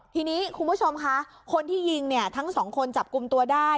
ทีนี้คุณผู้ชมคะคนที่ยิงเนี่ยทั้งสองคนจับกลุ่มตัวได้